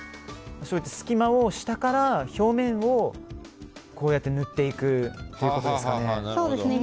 隙間を下から表面を塗っていくということですかね。